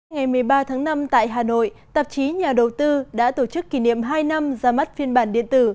ngày một mươi ba tháng năm tại hà nội tạp chí nhà đầu tư đã tổ chức kỷ niệm hai năm ra mắt phiên bản điện tử